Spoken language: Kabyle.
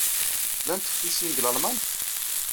Llant teftisin deg Lalman?